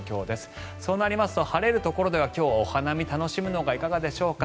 そうなりますと晴れるところでは今日、お花見を楽しむのはいかがでしょうか。